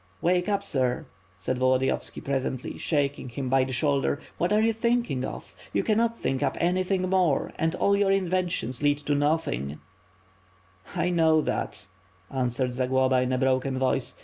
"Wake up, sir/' said Volodiyovski, presently, shaking him by the shoulder, "What are you thinking of? You cannot think up anything more and all your inventions lead to nothing/' "I know that,'' answered Zagloba in a broken voice.